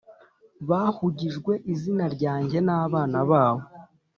Bahugijwe izina ryanjye na nabana babo